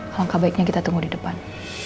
kalau gak baiknya kita tunggu di depan